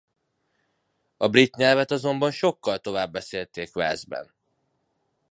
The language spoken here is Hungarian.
A brit nyelvet azonban sokkal tovább beszélték Walesben.